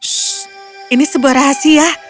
shh ini sebuah rahasia